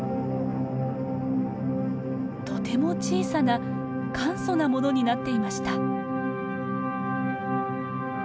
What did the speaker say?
とても小さな簡素なものになっていました。